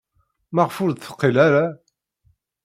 Maɣef ur d-teqqil ara?